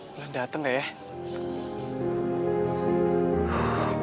mulan dateng nggak ya